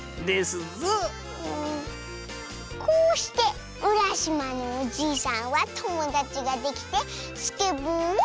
こうしてうらしまのおじいさんはともだちができてスケボーをはじめたとさ。